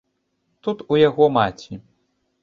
Тут у яго маці.